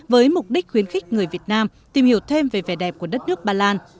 với mục đích khuyến khích người việt nam tìm hiểu thêm về vẻ đẹp của đất nước bà lan